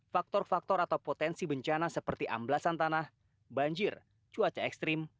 faktor faktor atau potensi bencana seperti amblasan tanah banjir cuaca ekstrim